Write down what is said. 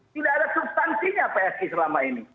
tidak ada substansinya psi selama ini